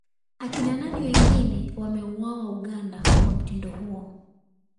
Akina nani wengine wameuawa Uganda kwa mtindo huo